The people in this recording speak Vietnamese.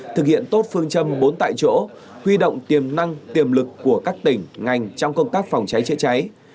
thực hiện tốt phương châm bốn tại chỗ huy động tiềm năng tiềm lực của các tỉnh ngành trong công tác phòng cháy chữa cháy